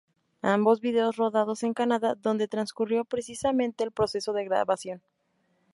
Ambos videos rodados en Canadá, donde transcurrió precisamente el proceso de grabación.